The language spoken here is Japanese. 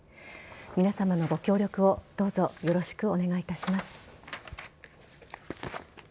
皆さまのご協力をどうぞよろしくお願いいたします。